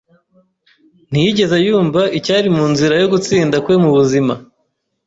Ntiyigeze yumva icyari mu nzira yo gutsinda kwe mu buzima.